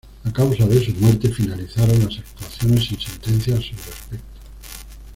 A causa de su muerte, finalizaron las actuaciones sin sentencia a su respecto.